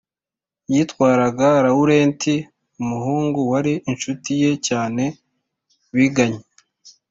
Yatwaraga Lawurenti umuhungu wari incuti ye cyane biganye